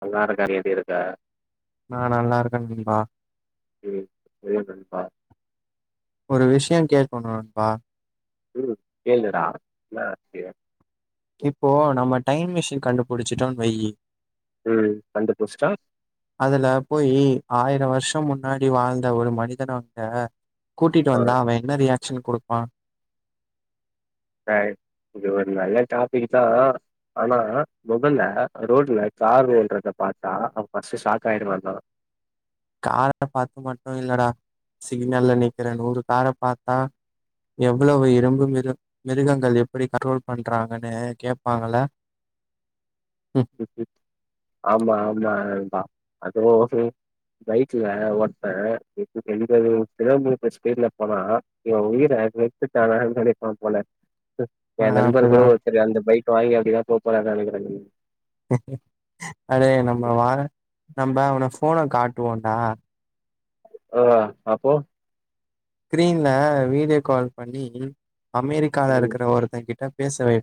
பண்ணாத காரியோ ஏது இருக்கா நா நல்லா இருக்கே பிம்பா சேரி சேரி நண்பா ஒரு விஷியோ கேக்கணு நண்பா ம் கேளு டா என்ன ஆச்சிரியோ இப்போ நம்ம டைம் மிஷின் கண்டுபிடிச்சிட்டோனு வையி ம் கண்டு புடிச்சிட்டா அதுல போயி ஆயிர வருஷோ முன்னாடி வாழ்ந்த ஒரு மனிதனாண்டா கூட்டிட்டு ஆ வந்தா அவ என்ன ரியாக்ஷன் குடுப்பா [unintelligible] இது ஒரு நல்ல டாபிக் தா ஆனா மோதல்ல ரோடுல கார்ரோன்த பாத்தா அவ ஃபர்ஸ்ட் ஷாக் ஆயிருவான்னா கார பாத்து மட்டு இல்லடா சிக்னல்ல நிக்கிர நூறு கார பாத்தா எவ்வளவு இரும்பு மிரு மிருகங்கள் எப்படி கண்ட்ரோல் பண்ணிக்குறாங்கன்னு கேப்பாங்கள்ளே ஆமா ஆமா நண்பா அதுவு சரி பைக்ல ஒர்த [unintelligible] கிலோ மீட்டர் ஸ்பீட்ல போனா இவ உயிர எடுத்துட்டான நெனைப்பா போல எ நண்பர் கூட அப்டிதா ஒருதர் அந்த பைக் வாங்கி அப்படிதா போ போறான்னு நெனைக்குறேங்க அடே நம்ம வாங்குன நம்ப அவன போன காட்டுவோண்டா ஓ அப்போ ஸ்கிரின்ல வீடியோ கால் பண்ணி அமெரிக்கால ம் இருக்கிற ஒருத்தன் கிட்ட பேச வை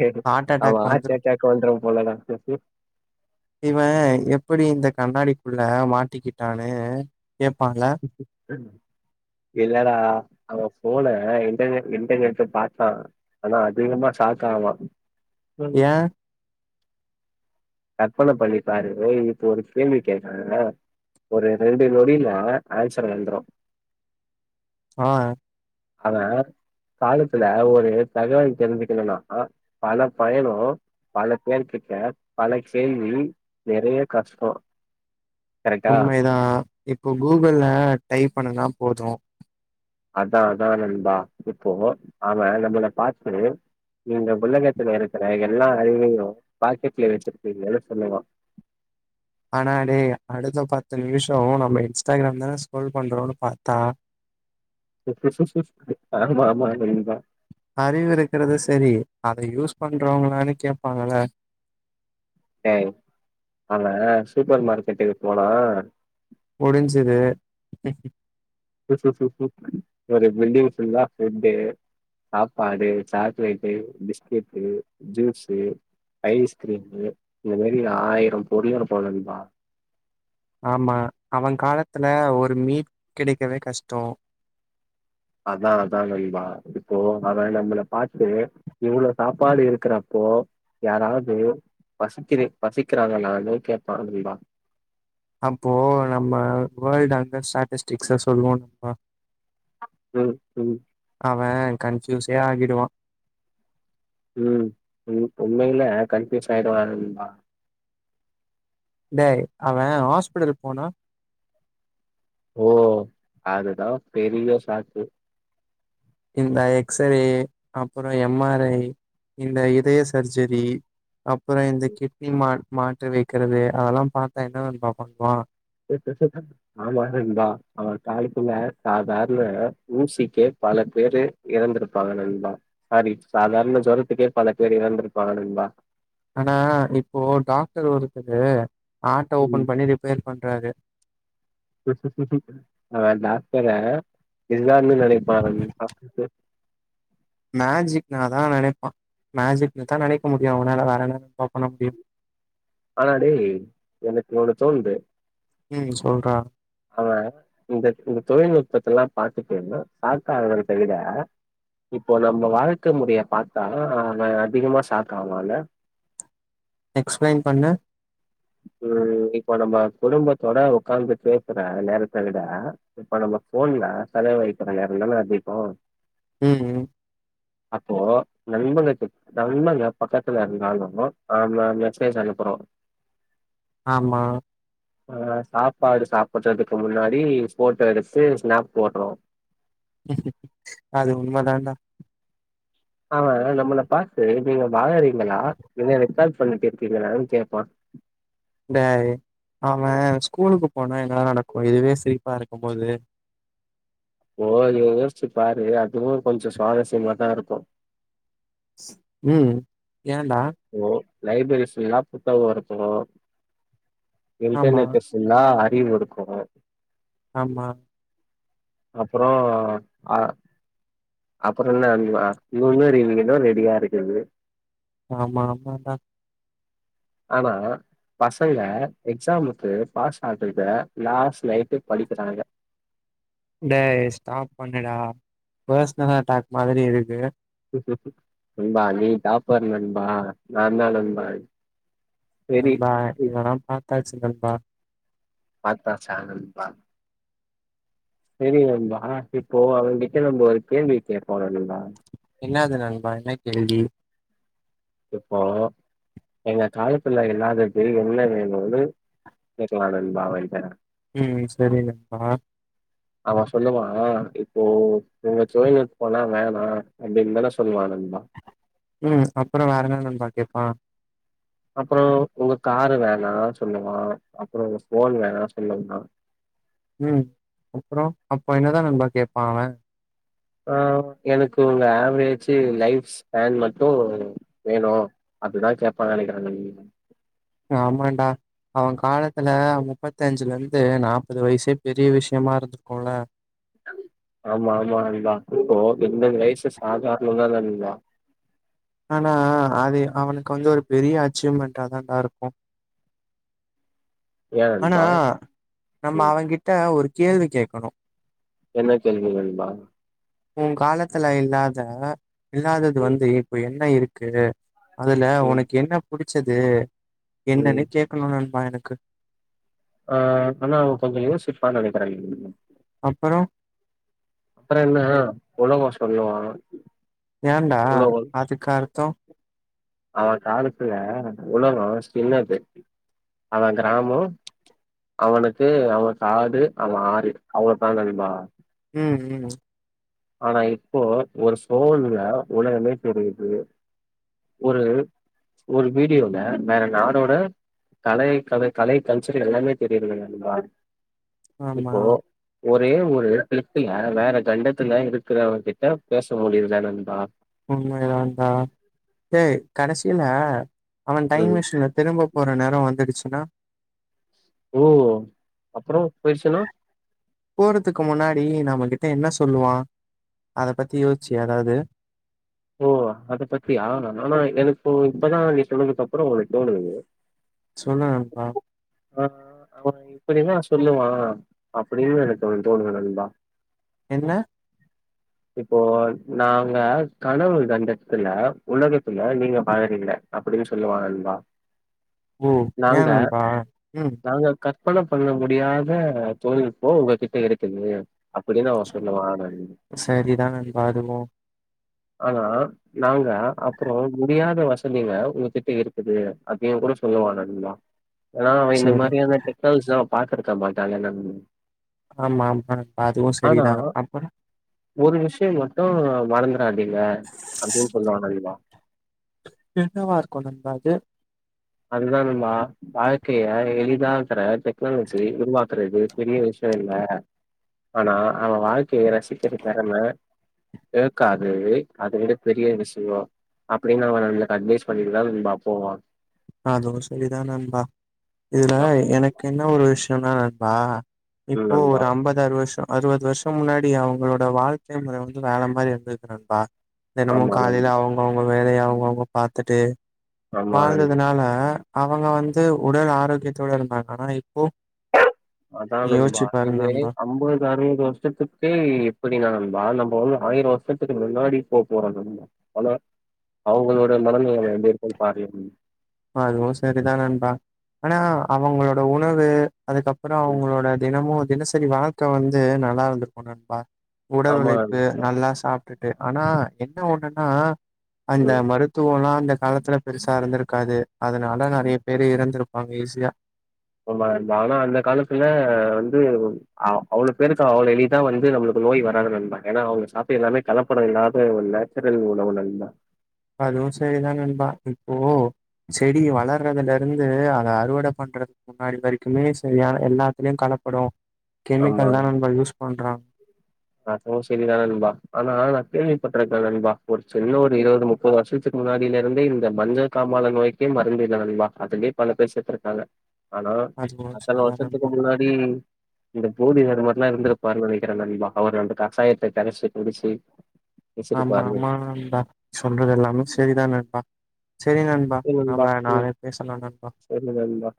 கேட்டு ஹார்ட் அவ அட்டாக் ஹார்ட் வந்துரு அட்டாக்கு வந்துரு போலடா இவ எப்படி இந்த கண்ணாடிக்குள்ள மாட்டிக்கிட்டானு பால்ல [inaudible] இல்லடா அவ போன இடர்நெட் இன்டர்நெட்டு பாத்தா ஆனா அதிகமா சாக்காவ ஏ கற்பன பண்ணி பாரு இப்போ ஒரு கேள்வி கேக்குர ஒரு ரெண்டு நொடியில ஆன்சர் வந்துரு ஆ ஆனா காலத்துல ஒரு தகவல் தெரிஞ்சுக்கணுனா பல பயனோ பல பேர் கிட்ட பல கேள்வி நெறைய கஷ்டோ கரெக்டா உண்மைதா இப்போ கூகுள்ள டைப் பண்ணுனா போது அதா அதா நண்பா இப்போ அவ நம்மள பாத்து இந்த உலகத்துல இருக்குற எல்லா அறிவையு பாக்கெட்ல வெச்சுருப்பிங்கனு சொல்லுவா ஆனா டே அடுத்த பத்து நிமிஷோ நம்ம இன்ஸ்டாகிராம் தான ஸ்க்ரோல் பண்றோனு பாத்தா ஆமா ஆமா நீங்கதா அறிவு இருக்குறது செரி அத யூஸ் பண்றவ்ங்களானு கேப்பாங்கள டேய் அவ சூப்பர் மார்க்கெட்டுக்கு போனா முடிஞ்சது ஒரு பில்டிங் ஃபுல்லா ஃபுட்டு சாப்பாடு சாக்லேட்டு பிஸ்கெட்டு ஜூஸு ஐஸ்கிரீமு இந்த மாரி ஆயிர பொருள் இருக்கு நண்பா ஆமா அவ காலத்துல ஒரு மீன் கிடைக்கற்தே கஷ்டோ அதா அதா நண்பா இப்போ அவ நம்மள பாத்து இவ்ளோ சாப்பாடு இருக்குறப்போ யாராவ்து பசிக்குது பசிக்றாங்கனானு கேப்பா நண்பா அப்போ நம்ம வேர்ல்ட் அந்த ஸ்டாட்டிஸ்டிக்ஸ சொல்லுவோ நண்பா ம் ம் அவ கண்ஃப்யூஸே ஆகிடுவா ம் ம் உண்மையில கண்ஃப்யூஸ் ஆயிடுவா நண்பா டேய் அவ ஹாஸ்பிட்டலுக்கு போனா ஓ அதுதா பெரிய ஃபேக்ட்டு இந்த எக்ஸரே அப்றோ எம் ஆர் ஐ இந்த இதய சர்ஜரி அப்ற இந்த கிட்னி மா மாற்று வெக்கிறது அதெல்லா பாத்தா என்ன நண்பா பண்ணுவா [unintelligible] ஆமா நண்பா அவ காலத்துல சாதார்ண ஊசிக்கே பல பேரு எறந்திருப்பாங்க நண்ப சாரி சாதாரண ஜொரத்துக்கே பல பேரு எறந்திருப்பாங்க நண்பா ஆனா இப்போ டாக்டர் ஒருத்தரு ஹார்ட்ட ம். ஓப்பன் பண்ணி ரிப்பேர் பண்றாரு ஆ டாக்டரா எல்லாருமே நெனைப்பாங்க இது பாத்துட்டு மேஜிக்னாதா நெனைப்பா மேஜிக்னுதா நெனைக்க முடியு அவனால வேற என்ன நண்பா பண்ண முடியு ஆனா டேய் எனக்கு ஒன்னு தோணுது ம் சொல்றா அவ இந்த இந்த தொழில்நுட்பத்தெல்லா பாத்துட்டு நா சாக் ஆகுறத்தவிட இப்போ நம்ம வாழ்க்க முறைய பாத்தா அவனு அதிகமா சாக் ஆவால்ல எக்ஸ்பிளைன் பண்ணு ம் இப்ப நம்ப குடும்பத்தோட ஒக்காந்து பேசுற நேரத்த விட இப்ப நம்ம ஃபோன்ல செலவழிக்கிற நேர தான அதிகோ ம் ம் அப்போ நண்பனுக்கு நல்லா எ பக்கத்துல இருந்தாலு ஆம் நாம் மெசேஜ் அனுப்புறோ ஆமா ஆ சாப்பாடு சாப்புட்றதுக்கு முன்னாடி ஃபோட்டோ எடுத்து ஸ்நாப் போட்றோ அது உண்ம தான்டா அவ நம்மள பாத்து நீங்க வாங்கறீங்களா இல்ல ரெக்கார்ட் பண்ணிட்டு இருக்கீங்களான் கேப்பா டேய் அவெ ஸ்கூலுக்கு போனா என்னலா நடக்கு இதுவே சிரிப்பா இருக்கும் போது ஓ நீயு யோசிச்சு பாரு அதுவு கொஞ்ச சுவாரஸ்யமாதா இருக்கு ம் ஏன்டா ப்ரோ லைப்ரரிஸ் எல்லா புத்தகோ இருக்கனு ஆமா இன்டர்நெட்டு ஸ் துல்லா அறிவிருக்கனு ஆமா அப்பறோ அ அப்புறோ என்ன இவங்க இவங்க ரீ யூனியன் தா ரெடியா இருக்குது ஆமா ஆமான்டா ஆனா பசங்க எக்ஸாமுக்கு பாஸ் ஆகுற்த லாஸ்ட் நைட்டு படிக்கிறாங்க டேய் ஸ்டாப் பண்ணுடா பர்சனல் அட்டாக் மாதிரி இருக்கு நண்பா நீ டாப்பர் நண்பா நாந்தா நண்பா செரி நண்பா இதெல்லா பாத்தாச்சு நண்பா பாத்தாச்சா நண்பா செரி நண்பா ஆனா இப்போ அவங்ககிட்ட நம்ப ஒரு கேள்வி கேப்போ நண்பா என்னாது நண்பா என்ன கேள்வி இப்போ எங்க காலத்துல இல்லாதது என்ன வேணுன்னு கேக்கலா நண்பா அவன்ட்ட ம் செரி நண்பா அவ சொல்லுவா இப்போ உ உங்க தொழில்நுட்பல்லா வேணா அப்டின் தான சொல்வா நண்பா ம் அப்பறே வேற என்ன நண்பா கேப்பா அப்பறோ உங்க காரு வேணா சொல்லுவா அப்பறோ உங்க ஃபோன் வேணா சொல்லுவா ம் அப்பறோ அப்ப என்னதா நண்பா கேப்பா அவே ஆ எனக்கு உங்க ஆவரேஜு லைஃப் ஸ்பேன் மட்டு வேணு அப்டிதா கேப்பான் நெனைக்கறே நண் ஆமான்டா அவ காலத்துல முப்பத்தஞ்சுலர்ந்து நாப்பது வயசே பெரிய விஷயமா இருந்துருக்குல்ல ஆமா ஆமா அது தா இப்போ எண்பது வயசு சாதாரண தா நண்பா ஆனா அது அவனுக் வந்து ஒரு பெரிய அச்சீவ்மெண்ட்டா தான்டா இருக்கு ஏ ஆனா நண்பா நம்ம ம் அவங்கிட்ட ஒரு கேள்வி கேக்கணு என்ன கேள்வி நண்பா உ காலத்துல இல்லாத இல்லாதது வந்து இப்ப என்ன இருக்கு அதுல ம் உனக்கு என்ன புடிச்சது என்னன்னு ம் கேக்கணு நண்பா எனக்கு ஆ ஆனா அவ கொஞ்சோ யோசிப்பான் நெனைக்கிற நண் அப்பறோ அப்பறோ என்ன உலகோ சொல்லுவா ஏன்டா அதுக்கு அர்த்தோ அவ காலத்துல உலகோ சின்ன பெட்டி அவ கிராமோ அவனுக்கு அவ காடு, அவ ஆறு அவ்ளோ தா நண்பா ம் ம் ஆனா இப்போ ஒரு ஸ் ஃபோன்ல உலகமே தெரியிது ஒரு ஒரு வீடியோல வேற நாடோட கலை கலை கலை கல்ச்சர் எல்லாமே தெரியிது நண்பா ஆமா. இப்போ ஒரே ஒரு கிளிக்குல வேற கண்டத்துல இருக்கிறவ கிட்ட பேச முடியுது தா நண்பா உண்மைல இருந்தா டே கடைசில அவ டைம் ம் மிஷின்ல திரும்ப போற நேரோ வந்துடுச்சுன்னா ஓ அப்றோ போயிருச்சுன்னா போறதுக்கு முன்னாடி நம்மகிட்ட என்ன சொல்லுவா அத பத்தி யோசிச்சியா எதாவ்து ஓ அத பத்தி ஆனா எனக்கு இப்பதா நீ சொன்னதுக்கப்றோ ஒன்னு தோணுது சொல்லு நண்பா ஆ அவ இப்படிதா சொல்லுவா அப்டியு எனக்கொன்னு தோணுது நண்பா என்ன இப்போ நாங்க கனவு தண்டத்துல உலகத்துல நீங்க வாழறீங்க அப்டின் சொல்லுவா நண்பா ஓ! ஏன் நாங்க நண்பா? ம். நாங்க க ற்பன பண்ண முடியாத தொழில்நுட்போ உங்ககிட்ட இருக்குது அப்பிடினு அவ சொல்லுவா நண் செரிதா நண்பா அதுவு ஆனா நாங்க அப்றோ முடியாத வசதிங்க உங்ககிட்ட இருக்குது அப்டியு கூட சொல்லுவா நண்பா ஏனா அவே இந்த சரி. மாரியான டெக்னல்ஸ்ல பாத்துருக்க மாட்டால்ல நண் ஆமா ஆமா அதுவு ஆனா செரிதா அப்பறோ ஒரு விஷ்யோ மட்டு மறந்துறாதீங்க அப்டின் சொல்வா நண்பா என்னவா இருக்கு நண்பா அது அதுதா நண்பா வாழ்க்கைய எளிதாக்கற டெக்னாலஜி உருவாக்குறது பெரிய விஷ்யோ இல்ல ஆனா அவ வாழ்க்கைய ரசிக்கிற தெறம இருக்காது அத விட பெரிய விஷயோ அப்டினு அவ நம்மளுக்கு அட்வைஸ் பண்ணிட்டுதா நண்பா போவா அதுவு சரிதா நண்பா இதுல எனக்கென்ன ஒரு விஷயம்னா நண்பா ம் இப்போ நண்பா ஒரு அம்ப தாறு வருஷோ அறுவது வருஷோ முன்னாடி அவுங்களோட வாழ்க்கை முற வந்து வேற மாரி இருந்திருக்கு நண்பா தினமு ஆமா காலைல நண்பா அவ்ங்கவுங்க வேலய அவ்ங்கவுங்க பாத்திட்டு ஆமா நண்பா ஆனா அவுங்க வந்து உடல் ஆரோக்கியத்தோட இருந்தாங்க ஆனாயிப்போ அதா நண்பா இதே நண்பா. அம்பது அறுவது வருஷத்துக்கு இப்படினா நண்பா நம்ம வந்து ஆயிரோ வருஷத்துக்கு முன்னாடி போ போறோ நண்பா ஆனா அவுங்களோட மனநிலைமை எப்டியிருக்கு பாக்கலா [unintelligible] அதுவு செரிதா நண்பா ஆனா அவுங்களோட உணவு அதுக்கப்பறோ ம் அவுங்களோட தினமு தினசரி வாழ்க்க வந்து நல்லாருந்திருக்கு நண்பா உடல் ஆமா உழைப்பு நண்பா நல்லா சாப்ட்டுட்டு ஆனா என்ன ஒன்னுன்னா ம் அந்த மருத்துவல்லா அந்த காலத்துல பெருசாருந்திருக் காது அதனால நெறய பேரு இறந்திருப்பாங்க ஈஸியா உண்ம நண்பா ஆனா அந்த காலத்துல வந்து அ அவ்ளோ பேருக்கு அவ்ளோ எ ளிதா வந்து நம்மளுக்கு நோய் வராது நண்பா ஏனா அவுங்க சாப்ட்ட எல்லாமே கலப்படயில்லாத நேச்சுரல் உணவு நண்பா அதுவு செரிதா நண்பா இப்போ செடி வளர்றதுலருந்து அத அறுவட பண்ற முன்னாடி வரைக்குமே சரியான யெல்லாத்துலயு கலப்படோ கெமிக்கல் தா நம்ப யூஸ் பண்றோ அதுவு சரிதான நண்பா ஆனா நா கேள்விப்பட்ருக்கே நண்பா ஒரு சின்ன ஒரு இருபது முப் பது வருசத்துக்கு முன்னாடிலருந்தே இந்த மஞ்சள் காமால நோய்க்கே மருந்து இல்ல நண்பா அதுலே பல பேர் செத்துருக்காங்க ஆனா அதுவு அத்தன சரிதா வருஷத்துக்கு நண்பா முன்னா டி இந்த போதிதர்மர்லா இருந்திருப்பாருன்னு நெனக்கிறே நண்பா அவர் ரெண்டு கஷாயத்த கரச்சி குடிச்சி ஆமா ஆமா நண்பா சொல்றதுயெல்லாமே செரிதா நண்பா செரி நண் செரி நண்பா ம் செரி நண்பா